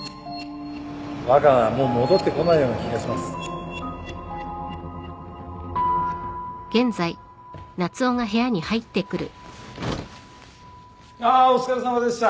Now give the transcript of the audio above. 若菜はもう戻ってこないような気がします・あお疲れさまでした。